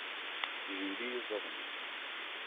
Jeyyel iyuzaḍ-nni.